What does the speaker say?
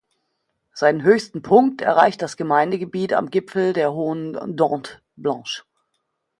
Seinen höchsten Punkt erreicht das Gemeindegebiet am Gipfel der hohen Dent Blanche.